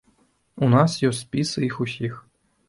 У нас ёсць спісы іх усіх.